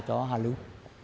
cho hạ lưu